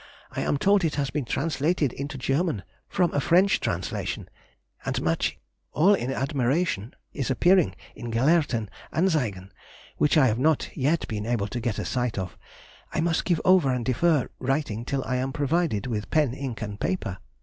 I am told it has been translated into German from a French translation, and much [all in admiration] is appearing in Gelehrten Anzeigen, which I have not yet been able to get a sight of.... I must give over and defer writing till I am provided with pen, ink, and paper.